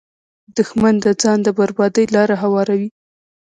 دښمن د ځان د بربادۍ لاره هواروي